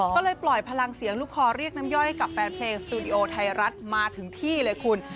ก็เลยปล่อยพลังเสียงลูกคอเรียกน้ำย่อยกับแฟนเพลงสตูดิโอไทยรัฐมาถึงที่เลยคุณ